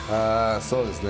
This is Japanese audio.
そうですね。